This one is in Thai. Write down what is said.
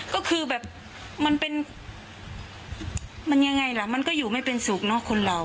ก็คือแบบมันเป็นมันยังไงล่ะมันก็อยู่ไม่เป็นสุขเนอะคนเรา